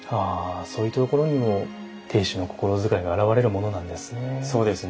そういうところにも亭主の心遣いが表れるものなんですね。